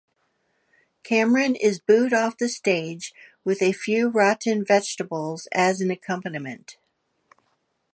Cameron is booed off the stage, with a few rotten vegetables as an accompaniment.